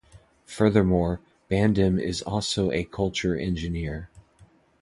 Furthermore, Bandem is also a culture engineer.